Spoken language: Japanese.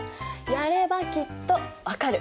やればきっと分かる！